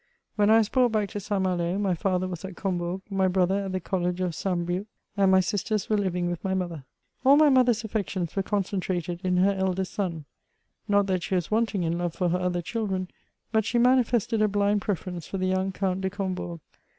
When I was brought back to St. Malo, my father was at Combourg, my brother at the CoU^ of St. Brieuc, and my sisters were living with my mother. All mv mother's affections were concentrated in her eldest aaa. Not that she was wanting in love for her other children ; but she manifested a blind preference for the young Count de Combourg.